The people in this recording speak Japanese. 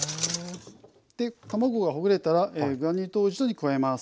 卵がほぐれたらグラニュー糖を一度に加えます。